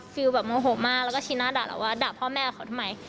แบบโมโหมากแล้วก็ชี้หน้าด่าเราว่าด่าพ่อแม่เขาทำไม